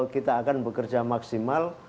kita akan bekerja maksimal